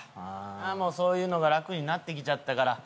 もうそういうのが楽になってきちゃったから。